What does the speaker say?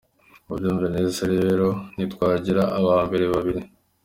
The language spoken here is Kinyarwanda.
Mubyumve neza rero ntitwagira aba mbere babiri.